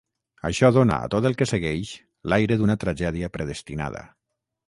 Això dona a tot el que segueix l'aire d'una tragèdia predestinada.